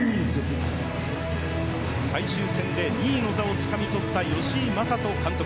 最終戦で２位の座をつかみとった吉井理人監督。